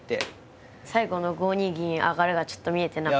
最後の５二銀上がちょっと見えてなかった。